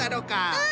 うん！